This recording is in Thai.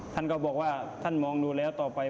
ท่านก็บอกว่าท่านมองดูแล้วต่อไป